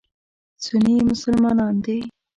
سني مسلمانان دي.